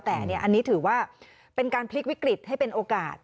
แต่อันนี้ถือว่าเป็นการพลิกวิกฤตให้เป็นโอกาส